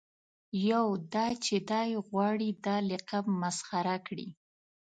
یو دا چې دای غواړي دا لقب مسخره کړي.